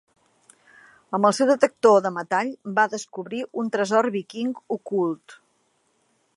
Amb el seu detector de metall va descobrir un tresor víking ocult.